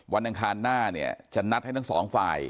อังคารหน้าเนี่ยจะนัดให้ทั้งสองฝ่าย